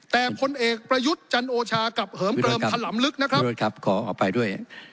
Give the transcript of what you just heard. แต่พลเอกประยุทธ์จันโอชากลับเหิมเกลิมถลำลึกนะครับขอเอาไปด้วย